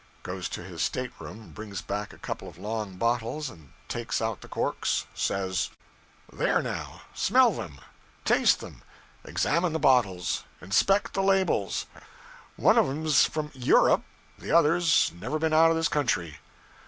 Goes to his state room, brings back a couple of long bottles, and takes out the corks says: 'There now, smell them, taste them, examine the bottles, inspect the labels. One of 'm's from Europe, the other's never been out of this country.